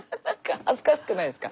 恥ずかしくないですか？